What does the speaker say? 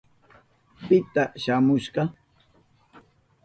¿Pita shamushka?